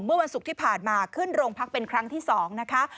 เมื่อวันศุกร์ที่ผ่านมาขึ้นโรงพักเป็นครั้งที่๒นะคะ